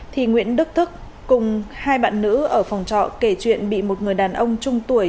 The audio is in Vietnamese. thì nguyễn đức thức cùng hai bạn nữ ở phòng trọ kể chuyện bị một người đàn ông trung tuổi